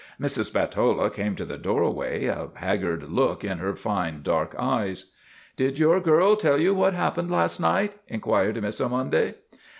Mrs. Spatola came to the doorway, a haggard look in her fine dark eyes. 1 Did your girl tell you what happened last night?' inquired Miss Ormonde.